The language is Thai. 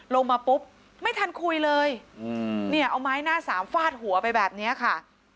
ลงมาปุ๊บไม่ทันคุยเลยเนี่ยเอาไม้หน้าสามฟาดหัวไปแบบนี้ค่ะ